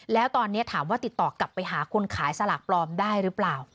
แล้วตอนนี้ถามว่าติดต่อกลับไปหาคนขายสลากปลอมได้หรือเปล่า